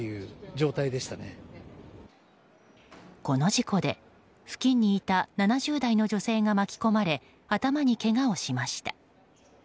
この事故で付近にいた７０代の女性が巻き込まれ頭にけがをしました。